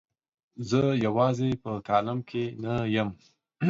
زه یوازې په کالم کې نه یم.